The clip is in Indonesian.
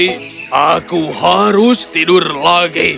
tapi aku harus tidur lagi